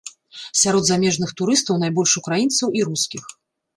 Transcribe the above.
Сярод замежных турыстаў найбольш украінцаў і рускіх.